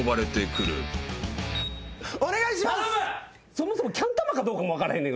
そもそもキャン玉かどうかも分からへんねん